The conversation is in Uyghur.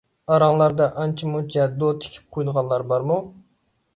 ئاراڭلاردا ئانچە-مۇنچە دو تىكىپ قويىدىغانلار بارمۇ؟